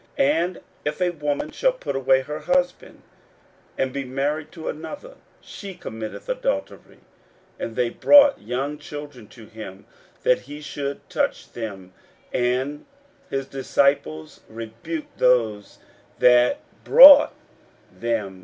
41:010:012 And if a woman shall put away her husband, and be married to another, she committeth adultery. 41:010:013 And they brought young children to him, that he should touch them: and his disciples rebuked those that brought them.